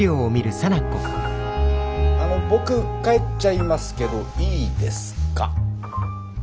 あの僕帰っちゃいますけどいいですか？